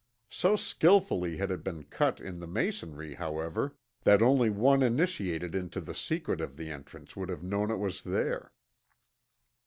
So skillfully had it been cut in the masonry, however, that only one initiated into the secret of the entrance would have known it was there.